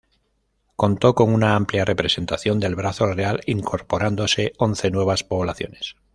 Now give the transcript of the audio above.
Contó con una amplia representación del brazo real incorporándose once nuevas poblaciones.